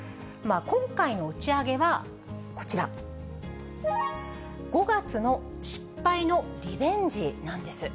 今回の打ち上げはこちら、５月の失敗のリベンジなんです。